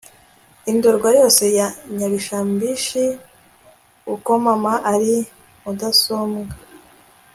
i ndorwa yose ya nyabishambisi uko mama ari mudasumbwa